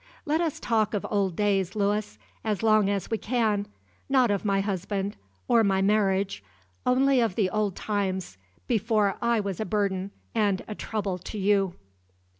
Let us talk of old days, Louis, as long as we can not of my husband; or my marriage only of the old times, before I was a burden and a trouble to you."